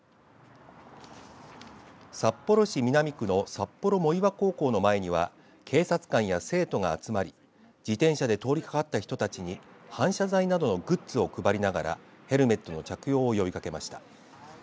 札幌市南区の札幌藻岩高校の前には警察官や生徒が集まり自転車で通りかかった人たちに反射材などのグッズを配りながらヘルメットの着用を呼びかけました。